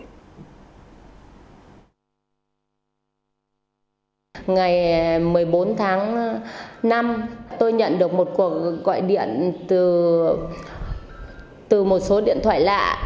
ngày một mươi bốn tháng năm tôi nhận được một cuộc gọi điện từ một số điện thoại lạ